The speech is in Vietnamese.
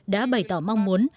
đã bày tỏ mong muốn